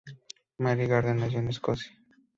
Mary Garden nació en Escocia.